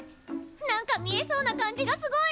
何か見えそうな感じがすごい！